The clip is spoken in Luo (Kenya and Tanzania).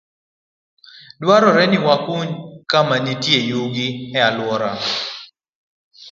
Dwarore ni wakuny kama iketie yugi e alworawa.